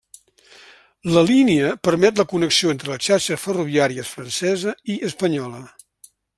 La línia permet la connexió entre les xarxes ferroviàries francesa i espanyola.